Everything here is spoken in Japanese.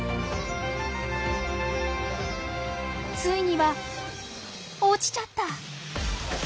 ついには落ちちゃった！